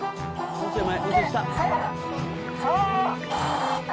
もうちょい下。